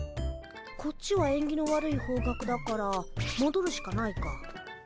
こっちはえんぎの悪い方角だからもどるしかないか。